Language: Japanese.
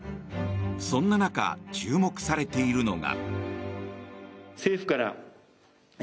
そんな中注目されているのが。